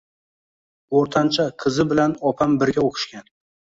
O`rtancha qizi bilan opam birga o`qishgan